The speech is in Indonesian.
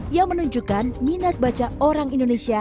yang menunjukkan minat baca orang indonesia